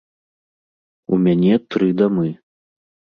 У мяне тры дамы.